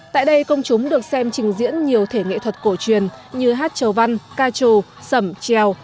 tại đây công chúng được xem trình diễn nhiều thể nghệ thuật cổ truyền như hát trầu văn ca trù sầm treo